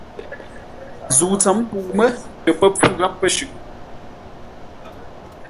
Zə̂u tsəm pəu mə́ tə pə́ pfú gháp pə̂ shʉʼʉ.